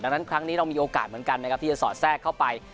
ดังนั้นครั้งนี้เรามีโอกาสเหมือนกันนะครับที่จะสอดแทรกเข้าไป